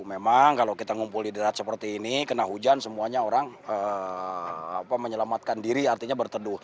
memang kalau kita ngumpul di darat seperti ini kena hujan semuanya orang menyelamatkan diri artinya berteduh